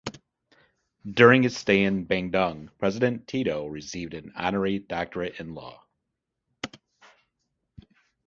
During his stay in Bandung president Tito received an honorary doctorate in law.